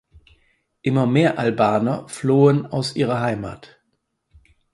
Immer mehr Albaner flohen aus ihrer Heimat.